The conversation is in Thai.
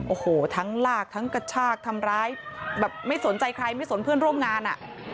โอ้โหทั้งลากทั้งกระชากทำร้ายแบบไม่สนใจใครไม่สนเพื่อนร่วมงานอ่ะ